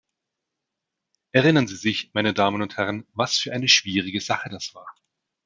Erinnern Sie sich, meine Damen und Herren, was für eine schwierige Sache das war.